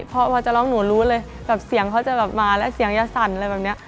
พอจะร้องหนูรู้เลยแบบเสียงเขาจะแบบมาแล้วเสียงจะสั่นอะไรแบบนี้